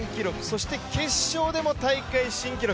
そして決勝でも大会新記録。